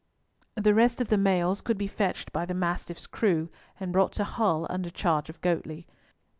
The rest of the mails could be fetched by the Mastiff's crew, and brought to Hull under charge of Goatley.